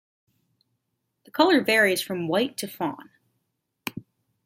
The color varies from white to fawn.